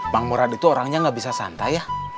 bang murad itu orangnya gak bisa santai ya